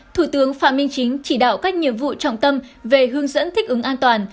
thủ tướng phạm minh chính chỉ đạo các nhiệm vụ trọng tâm về hướng dẫn thích ứng an toàn